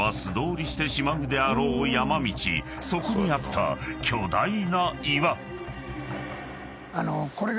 ［そこにあった巨大な岩］